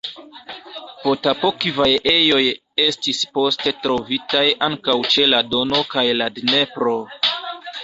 Potapovkaj ejoj estis poste trovitaj ankaŭ ĉe la Dono kaj la Dnepro.